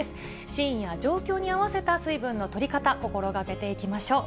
シーンや状況に合わせた水分のとり方、心がけていきましょう。